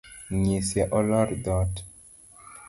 Nyise olor dhoot.